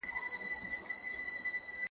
زه په لحد کي جنډۍ به ناڅي ,